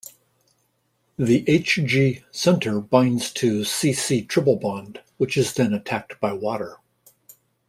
The Hg center binds to C≡C triple bond, which is then attacked by water.